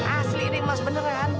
asli ini emas beneran